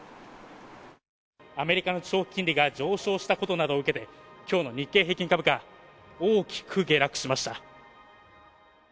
アメリカの長期金利が上昇したことなどを受けて、きょうの日経平均株価、大きく下落しました。